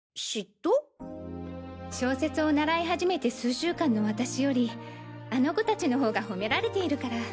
小説を習い始めて数週間の私よりあの子達の方が褒められているから。